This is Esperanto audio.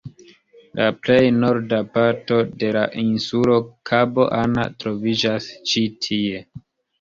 La plej norda parto de la insulo, Kabo Anna, troviĝas ĉi tie.